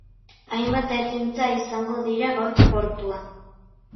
Hainbat ekintza izango dira gaur portuan.